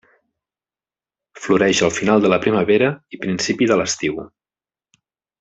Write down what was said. Floreix al final de la primavera i principi de l'estiu.